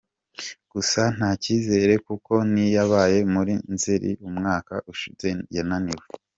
Gusa nta cyizere kuko n’iyabaye muri Nzeri umwaka ushize yananiwe.